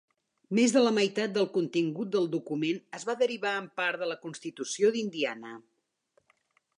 Més de la meitat del contingut del document es va derivar en part de la constitució d'Indiana.